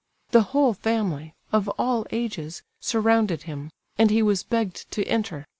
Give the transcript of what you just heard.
The whole family, of all ages, surrounded him, and he was begged to enter.